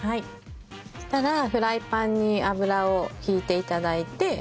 そしたらフライパンに油を引いて頂いて。